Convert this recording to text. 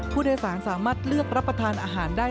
ผู้โดยสารสามารถเลือกรับประทานอาหารได้